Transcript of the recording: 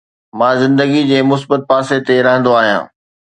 مان زندگي جي مثبت پاسي تي رهندو آهيان